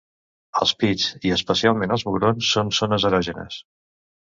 Els pits, i especialment els mugrons, són zones erògenes.